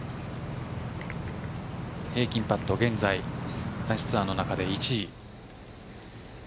平均パット、現在男子ツアーの中で１位。